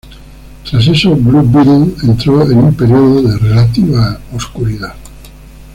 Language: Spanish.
Tras eso, Blue Beetle entró en un periodo de relativa oscuridad.